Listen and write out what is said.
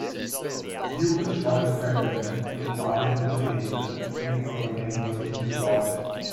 "Sue is short and pregnant", the father-to-be stated, thinking of a name for his future daughter.